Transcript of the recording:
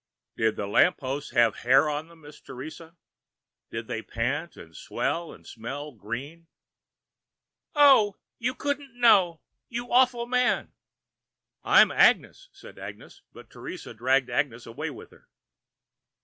"Did the lamp posts have hair on them, Miss Teresa? Did they pant and swell and smell green " "Oh! You couldn't know! You awful man!" "I'm Agnes," said Agnes; but Teresa dragged Agnes away with her.